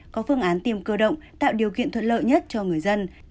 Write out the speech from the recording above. có phương án tiêm cơ động tạo điều kiện thuận lợi nhất cho người dân